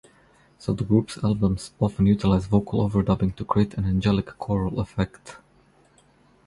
The group's albums often utilize vocal overdubbing to create an angelic choral effect.